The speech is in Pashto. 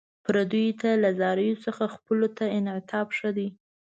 پردیو ته له زاریو څخه خپلو ته انعطاف ښه دی.